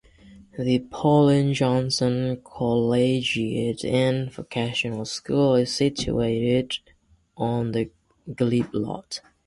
The Pauline Johnson Collegiate and Vocational School is situated on the Glebe Lot.